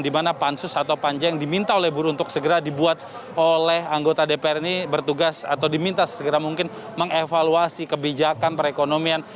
di mana pansus atau panjang diminta oleh buruh untuk segera dibuat oleh anggota dpr ini bertugas atau diminta segera mungkin mengevaluasi kebijakan perekonomian